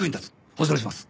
保証します。